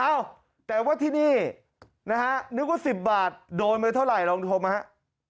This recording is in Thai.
เอ้าแต่ว่าที่นี่นะฮะนึกว่า๑๐บาทโดนไปเท่าไหร่ลองชมนะฮะ